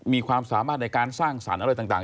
มีความสามารถในการสร้างสรรค์อะไรต่าง